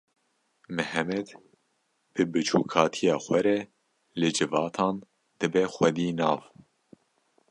Mihemed bi biçûkatiya xwe re li civatan dibe xwedî nav.